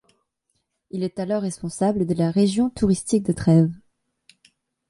Il est alors responsable de la région touristique de Trèves.